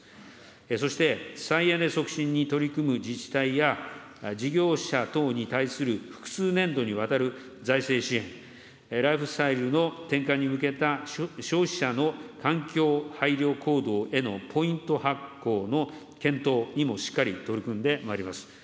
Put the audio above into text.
そして再エネ促進に取り組む自治体や、事業者等に対する複数年度にわたる財政支援、ライフスタイルの転換に向けた消費者の環境配慮行動へのポイント発行の検討にもしっかり取り組んでまいります。